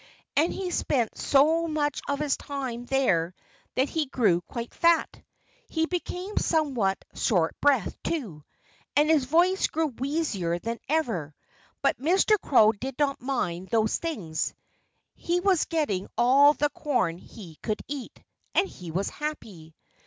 And he spent so much of his time there that he grew quite fat. He became somewhat short breathed, too. And his voice grew wheezier than ever. But Mr. Crow did not mind those things. He was getting all the corn he could eat. And he was happy.